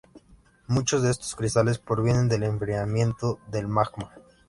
Muchos de estos cristales provienen del enfriamiento del magma.